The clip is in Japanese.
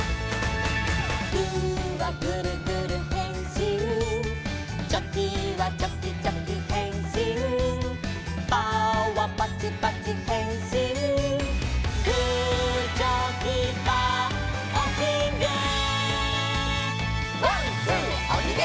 「グーはグルグルへんしん」「チョキはチョキチョキへんしん」「パーはパチパチへんしん」「グーチョキパーおひげ」「ワンツーおひげ！」